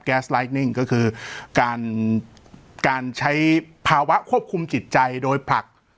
สไลด์นิ่งก็คือการการใช้ภาวะควบคุมจิตใจโดยผลัก